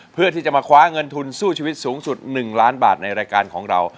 เพื่อที่จะมาคว้าเงินทุนสู้ชีวิตสูงสุด๑ล้านบาทในรายการของเรา